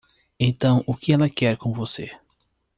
Então o que ela quer com você?